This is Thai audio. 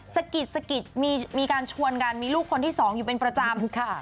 สะกิดสะกิดมีการชวนกันมีลูกคนที่สองอยู่เป็นประจำ